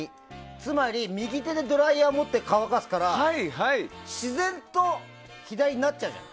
つまり、右手でドライヤーを持って乾かすから自然と左になっちゃう。